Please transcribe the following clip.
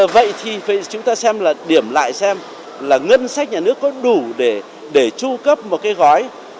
vậy thì chúng ta xem là điểm lại xem là ngân sách nhà nước có đủ để tru cấp một cái gói